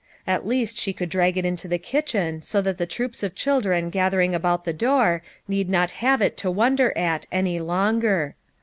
At least she could drag it into the kitchen so that the troops of children gathering about the door need not have it to wonder at any longer.